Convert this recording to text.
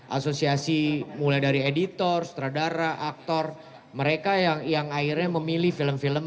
asosiasi mulai dari editor sutradara aktor mereka yang akhirnya memilih film film